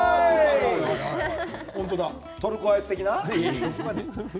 トルコアイス的な？